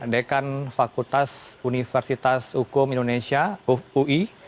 dekan fakultas universitas hukum indonesia ui